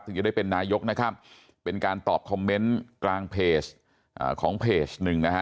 จะได้เป็นนายกนะครับเป็นการตอบคอมเมนต์กลางเพจของเพจหนึ่งนะฮะ